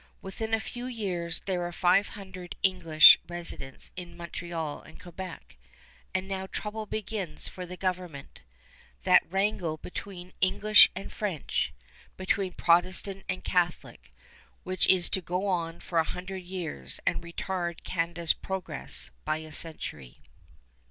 Within a few years there are five hundred English residents in Montreal and Quebec; and now trouble begins for the government, that wrangle between English and French, between Protestant and Catholic, which is to go on for a hundred years and retard Canada's progress by a century.